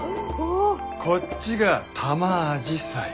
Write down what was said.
こっちがタマアジサイ。